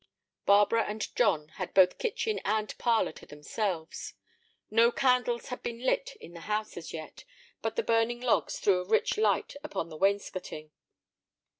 Barbara and John had both kitchen and parlor to themselves. No candles had been lit in the house as yet, but the burning logs threw a rich light upon the wainscoting.